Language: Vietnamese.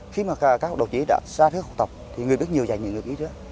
khi mà các đồng chí đã xa thước học tập thì người nước nhiều dạy những người kỹ rứa